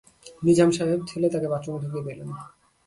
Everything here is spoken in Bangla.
নিজাম সাহেব ঠেলে তাকে বাথরুমে ঢুকিয়ে দিলেন।